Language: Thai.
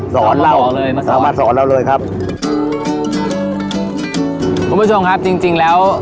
สอนเรามาสอนสอนเราเลยครับคุณผู้ชมครับจริงจริงแล้ว